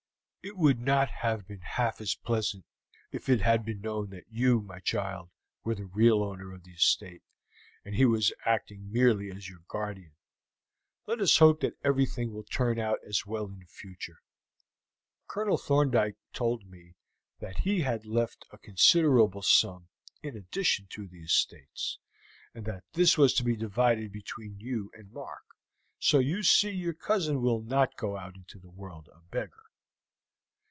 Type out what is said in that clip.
It would not have been half as pleasant if it had been known that you, my child, were the real owner of the estate, and he was acting merely as your guardian. Let us hope that everything will turn out as well in future. Colonel Thorndyke told me that he had left a considerable sum in addition to the estates, and that this was to be divided between you and Mark; so you see your cousin will not go out into the world a beggar."